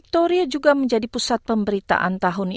ketika terjadi penyakit yang berbeda